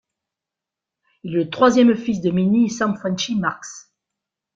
Il est le troisième fils de Minnie et Sam 'Frenchie' Marks.